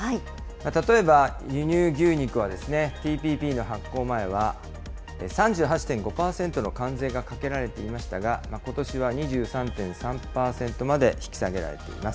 例えば輸入牛肉はＴＰＰの発効前は３８．５％の関税がかけられていましたが、ことしは２３．３％まで引き下げられています。